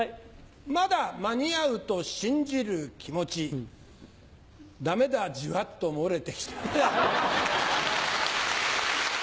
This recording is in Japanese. まだ間に合うと信じる気持ち駄目だじわっと漏れてきた。